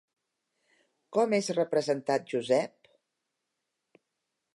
Com és representat Josep?